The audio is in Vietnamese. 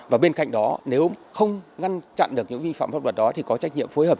và bên cạnh đó nếu không ngăn chặn được những vi phạm pháp luật đó thì có trách nhiệm phối hợp